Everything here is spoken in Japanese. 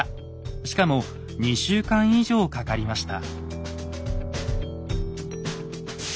しかも２週間以上かかりました。